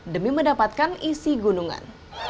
demi mendapatkan isi gunungan